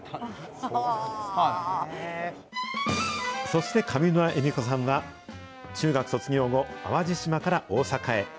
そして上沼恵美子さんは、中学卒業後、淡路島から大阪へ。